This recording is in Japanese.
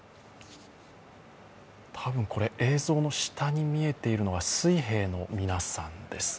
多分これ、映像の下に見えているのは水兵の皆さんです。